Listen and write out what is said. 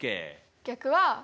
逆は。